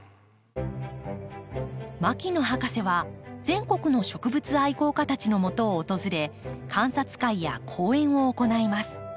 牧野博士は全国の植物愛好家たちのもとを訪れ観察会や講演を行います。